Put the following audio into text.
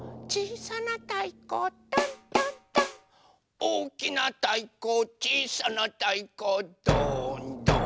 「おおきなたいこちいさなたいこドーンドーン」